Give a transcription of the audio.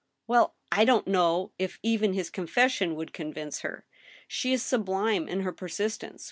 " Well I I don't know if even his confession would convince her. She is sublime in her persistence.